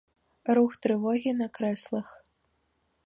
Рух трывогі на крэслах.